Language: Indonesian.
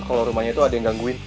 kalau rumahnya itu ada yang gangguin